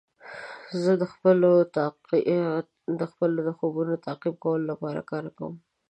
زه د خپلو خوبونو تعقیب کولو لپاره کار کوم.